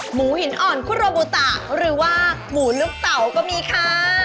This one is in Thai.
หมูหินอ่อนคุโรบูตะหรือว่าหมูลูกเต๋าก็มีค่ะ